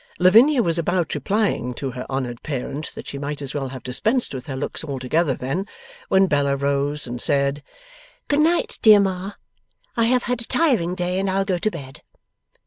Lavinia was about replying to her honoured parent that she might as well have dispensed with her looks altogether then, when Bella rose and said, 'Good night, dear Ma. I have had a tiring day, and I'll go to bed.